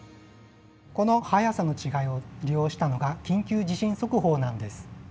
この速さの違いを利用したのが緊急地震速報なんです。